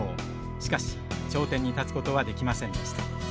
しかし頂点に立つことはできませんでした。